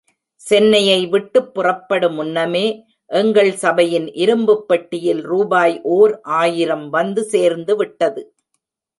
சென்னையை விட்டுப் புறப்படு முன்னமே எங்கள் சபையின் இரும்புப் பெட்டியில் ரூபாய் ஓர் ஆயிரம் வந்து சேர்ந்துவிட்டது.